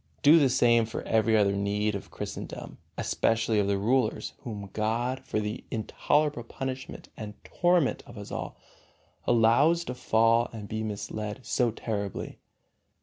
Do the same for every other need of Christendom, especially of the rulers, whom God, for the intolerable punishment and torment of us all, allows to fall and be misled so terribly.